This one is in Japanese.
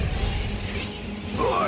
おい！